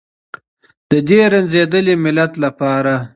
د دې رنځېدلي ملت لپاره.